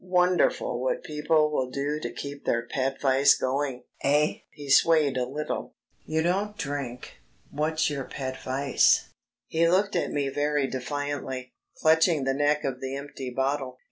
Wonderful what people will do to keep their pet vice going.... Eh?" He swayed a little. "You don't drink what's your pet vice?" He looked at me very defiantly, clutching the neck of the empty bottle.